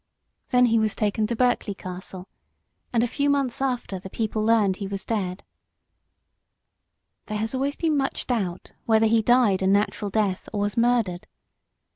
Then he was taken to Berkeley Castle, and a few months after the people learned that he was dead. There has always been much doubt whether he died a natural death or was murdered.